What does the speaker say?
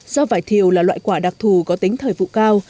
do vải thiều là loại quả đặc thù có tính thời vụ cao